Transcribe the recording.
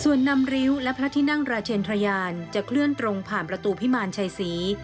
ส่วนนำริ้วและพระที่นั่งราชเชนทรยานจะเคลื่อนตรงผ่านประตูพิมารชัยศรี